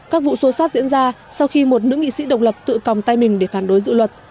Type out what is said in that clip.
các vụ xô xát diễn ra sau khi một nữ nghị sĩ độc lập tự còng tay mình để phản đối dự luật